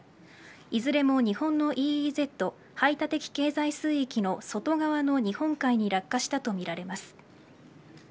いずれも日本のＥＥＺ排他的経済水域の外側の日本海に落下したとみられます。